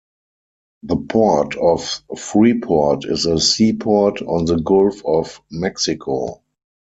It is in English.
The Port of Freeport is a seaport on the Gulf of Mexico.